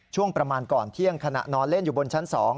ช่วงประมาณก่อนเที่ยงขณะนอนเล่นอยู่บนชั้น๒